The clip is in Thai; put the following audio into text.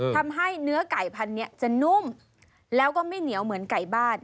ทำให้เนื้อไก่พันธุ์นี้จะนุ่มแล้วก็ไม่เหนียวเหมือนไก่บ้าน